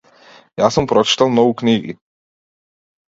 Јас сум прочитал многу книги.